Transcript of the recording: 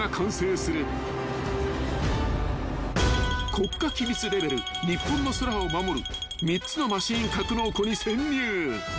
［国家機密レベル日本の空を守る３つのマシン格納庫に潜入］